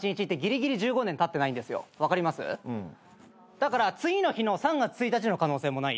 だから次の日の３月１日の可能性もない？